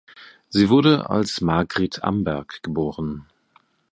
Sie wurde als Margrit Amberg geboren.